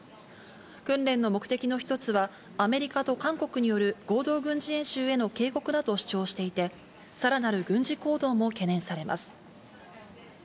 訓練の目的の一つはアメリカと韓国による合同軍事演習への警告だと主張していて、さらなる軍事行動も懸念されます。